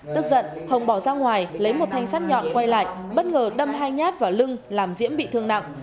tức giận hồng bỏ ra ngoài lấy một thanh sắt nhọn quay lại bất ngờ đâm hai nhát vào lưng làm diễm bị thương nặng